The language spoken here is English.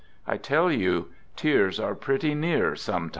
I tell you tears arej pretty near sometimes.